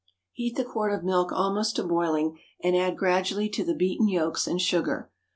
Heat the quart of milk almost to boiling, and add gradually to the beaten yolks and sugar.